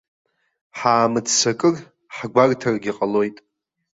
Ҳаамыццакыр, ҳгәарҭаргьы ҟалоит.